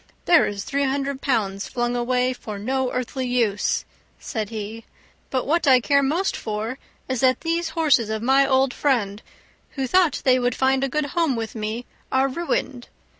"There is three hundred pounds flung away for no earthly use," said he; "but what I care most for is that these horses of my old friend, who thought they would find a good home with me, are ruined.